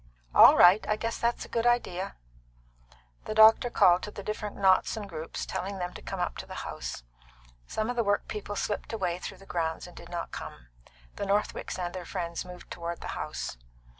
"All right. I guess that's a good idea." The doctor called to the different knots and groups, telling them to come up to the house. Some of the workpeople slipped away through the grounds and did not come. The Northwicks and their friends moved toward the house.